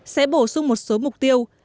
sẽ bổ sung một số mục tiêu